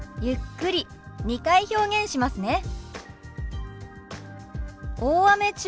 ゆっくり２回表現しますね。